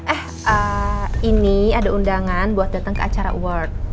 eh ini ada undangan buat datang ke acara award